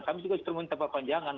kami juga minta perpanjangan